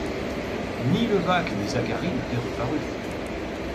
Ni Levaque ni Zacharie n’avaient reparu.